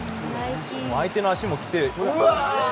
相手の足も来て。